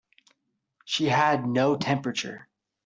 She had no temperature.